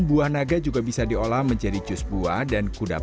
buah naga juga bisa diolah menjadi jus buah dan kudapan